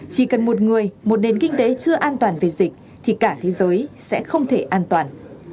chỉ cần một người một nền kinh tế chưa an toàn về dịch thì cả thế giới sẽ không thể an toàn